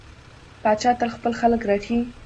پاچا تل خپل خلک رټي.